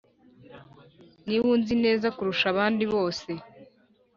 Niwe unzi neza kurusa abandi bose